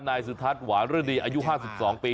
นายสุทัศน์หวานรดีอายุ๕๒ปี